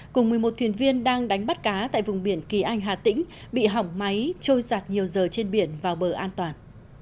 cùng một mươi một thuyền viên đang đánh bắt cá tại vùng biển kỳ anh hà tĩnh bị hỏng máy trôi giặt nhiều giờ trên biển vào bờ an toàn